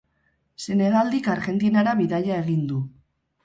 Senegaldik Argentinara bidaia egin du.